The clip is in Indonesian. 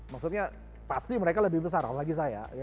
maksudnya pasti mereka lebih besar apalagi saya